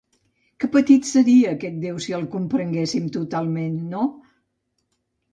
Que petit seria aquest Déu si el comprenguéssim totalment, no?